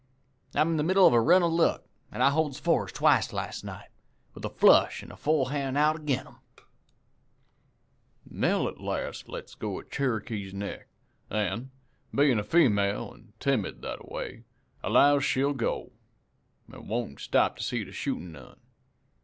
I'm in the middle of a run of luck; I holds fours twice last night, with a flush an' a full hand out ag'in 'em.' "Nell at last lets go of Cherokee's neck, an', bein' a female an' timid that a way, allows she'll go, an' won't stop to see the shootin' none.